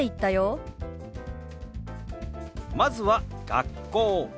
まずは「学校」。